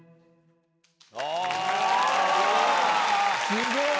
すごい！